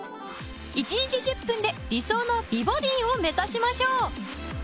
１日１０分で理想の美ボディーを目指しましょう。